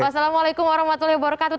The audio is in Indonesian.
wassalamualaikum warahmatullahi wabarakatuh